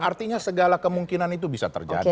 artinya segala kemungkinan itu bisa terjadi